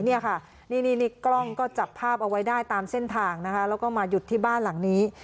นี่ค่ะนี่กล้องก็จับภาพเอาไว้ได้ตามเส้นทางนะคะแล้วก็มาหยุดที่บ้านหลังนี้